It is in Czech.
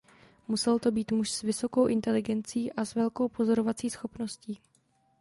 Musel to být muž s vysokou inteligencí a s velkou pozorovací schopností.